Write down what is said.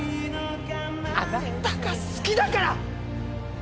あなたが好きだから。